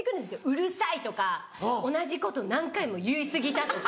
うるさい！とか同じこと何回も言い過ぎだ！とか。